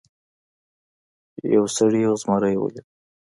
یو سړي یو زمری ولید.